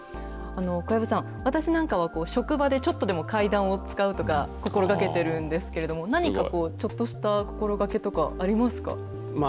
小籔さん、私なんかは職場で、ちょっとでも階段を使うとか心がけてるんですけれども、なにかこう、ちょっとした心がけとかあります